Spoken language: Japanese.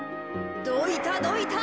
どいたどいた。